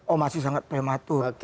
oh masih sangat prematur